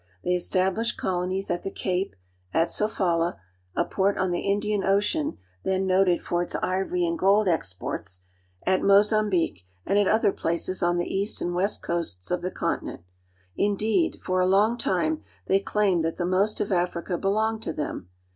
They established colonies at the Cape, at Sofala, a port on the Indian Ocean then noted for its WITH THE PORTUGUESE IN AFRICA 267 ivory and gold exports, at Mozambique, and at other places on the east and west coasts of the continent. Indeed, for a long time they claimed that the most of Africa belonged to them.